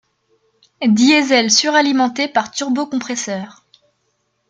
Diesel suralimenté par turbocompresseur.